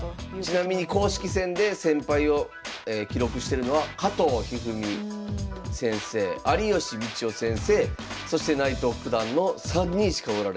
ちなみに公式戦で１，０００敗を記録してるのは加藤一二三先生有吉道夫先生そして内藤九段の３人しかおられない。